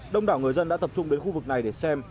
đông đảo người dân đã tập trung đến khu vực này để xem